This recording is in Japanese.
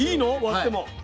割っても。